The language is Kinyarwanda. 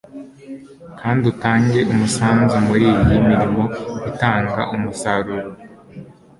kandi utange umusanzu muriyi mirimo itanga umusaruro